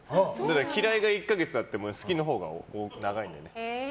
嫌いが１か月あっても好きのほうが長いのでね。